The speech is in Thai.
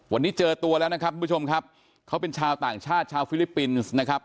วันนี้เจอตัวแล้วนะครับทุกผู้ชมครับเขาเป็นชาวต่างชาติชาวฟิลิปปินส์นะครับ